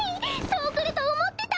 そう来ると思ってた！